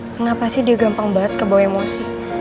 kenapa sih dia gampang banget kebawa emosi